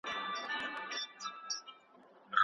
د پرمختګ لپاره په خصوصي سکتور تکیه وکړئ.